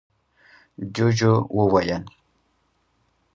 ُجوجُو وويل: